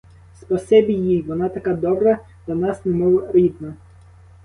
Спасибі їй, вона така добра до нас, немов рідна.